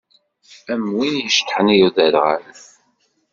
Am win i yeceṭṭḥen i uderɣal.